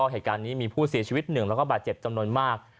เหตุการณ์นี้มีผู้เสียชีวิตหนึ่งแล้วก็บาดเจ็บจำนวนมาก